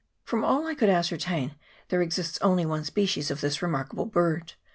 From all I could ascertain, there exists only one species of this remarkable bird.